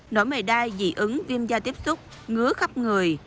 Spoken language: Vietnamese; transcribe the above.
nỗi mề đai dị ứng viêm da tiếp xúc ngứa khắp người